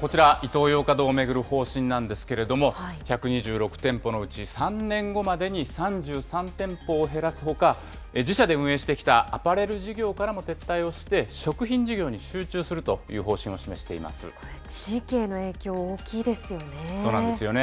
こちら、イトーヨーカ堂を巡る方針なんですけれども、１２６店舗のうち、３年後までに３３店舗を減らすほか、自社で運営してきたアパレル事業からも撤退をして、食品事業に集地域への影響、大きいですよそうなんですよね。